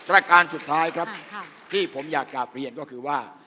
ประการสุดท้ายครับที่ผมอยากกลับเรียนก็คือว่า